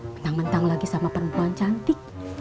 mentang mentang lagi sama perempuan cantik